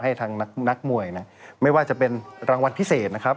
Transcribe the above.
ให้ทางนักมวยนะไม่ว่าจะเป็นรางวัลพิเศษนะครับ